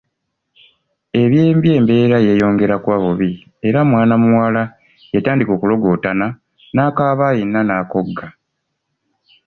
Ebyembi embeera yeeyongera kuba bubi era mwana muwala yatandika okulogootana n’akaaba yenna n’akogga.